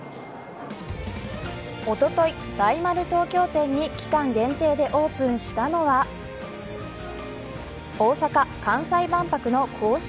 おととい、大丸東京店に期間限定でオープンしたのは大阪・関西万博の公式